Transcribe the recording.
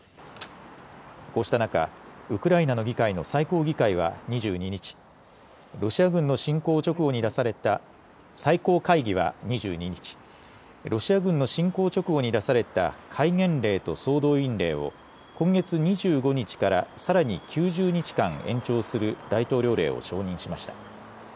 こうした中、ウクライナの議会のロシア軍の侵攻直後に出された最高会議は２２日、ロシア軍の侵攻直後に出された戒厳令と総動員令を今月２５日からさらに９０日間延長する大統領令を承認しました。